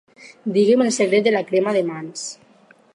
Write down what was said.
Digue'm el secret de la crema de mans.